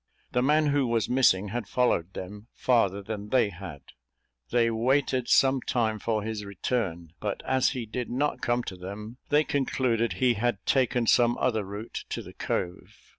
The man who was missing had followed them farther than they had. They waited some time for his return; but as he did not come to them, they concluded he had taken some other route to the cove.